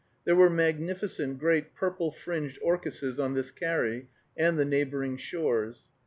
There were magnificent great purple fringed orchises on this carry and the neighboring shores.